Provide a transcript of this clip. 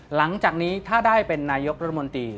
หลังจากนี้ถ้าได้เป็นนายกรัฐมนตรี